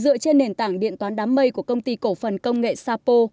dựa trên nền tảng điện toán đám mây của công ty cổ phần công nghệ sapo